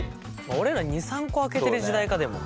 俺ら２３個開けてる時代かでも。